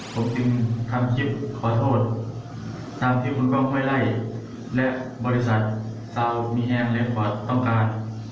ผมจึงทำคลิปขอโทษตามที่คุณกล้องห้วยไล่และบริษัทซาวมีแห้งเรียงขวดต้องการ